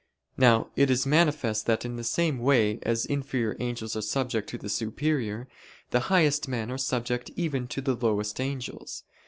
Now it is manifest that in the same way as inferior angels are subject to the superior, the highest men are subject even to the lowest angels.